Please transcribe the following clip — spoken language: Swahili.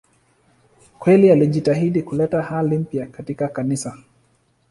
Kweli alijitahidi kuleta hali mpya katika Kanisa.